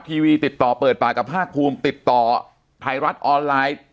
ทีวีติดต่อเปิดปากกับภาคภูมิติดต่อไทยรัฐออนไลน์